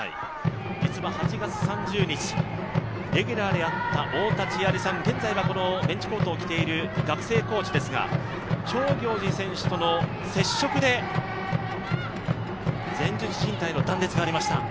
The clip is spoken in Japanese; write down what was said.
実は８月３０日、レギュラーであった太田千満さん、現在はこのベンチコートを着ている学生コーチですが長行司選手との接触で前十字じん帯の断裂がありました。